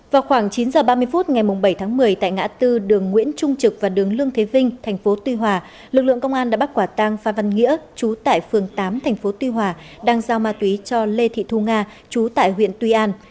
vào khoảng chín h ba mươi phút ngày bảy tháng một mươi tại ngã tư đường nguyễn trung trực và đường lương thế vinh thành phố tuy hòa lực lượng công an đã bắt quả tang phan văn nghĩa chú tại phường tám thành phố tuy hòa đang giao ma túy cho lê thị thu nga chú tại huyện tuy an